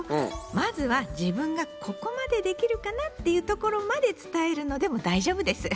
まずは自分がここまでできるかなっていうところまで伝えるのでも大丈夫です。